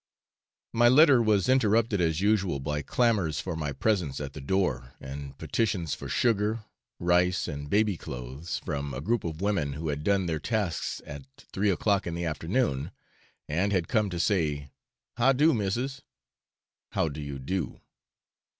My letter was interrupted as usual by clamours for my presence at the door, and petitions for sugar, rice, and baby clothes, from a group of women who had done their tasks at three o'clock in the afternoon, and had come to say, 'Ha do missis?' (How do you do?)